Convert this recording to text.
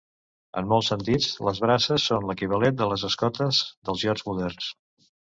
En molts sentits, les braces són l'equivalent de les escotes dels iots moderns.